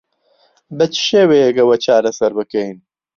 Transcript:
بە چ شێوەیەک ئەوە چارەسەر بکەین؟